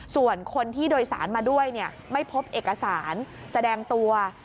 ส่วนคนที่โดยสารมาด้วยไม่พบเอกสารแสดงตัว